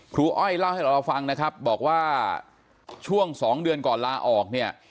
อ้อยเล่าให้เราฟังนะครับบอกว่าช่วง๒เดือนก่อนลาออกเนี่ย